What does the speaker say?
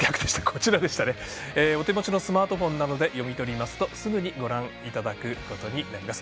お手持ちのスマートフォンなどで読み取りますとすぐにご覧いただけます。